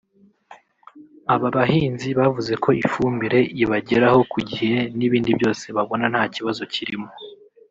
Aba bahinzi bavuze ko ifumbire ibagereraho ku gihe n’ibindi byose babona nta kibazo kirimo